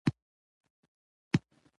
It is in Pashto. بايد ويناوال يې زياد شي